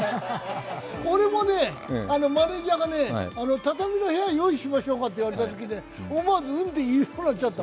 俺も、マネージャーから畳の部屋用意しましょうかと言われて思わず「うん」って言いそうになっちゃった。